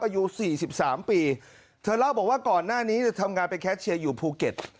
อายุ๔๓ปีเธอเล่าบอกว่าก่อนหน้านี้จะทำงานไปแคชเชียร์อยู่ภูเก็ต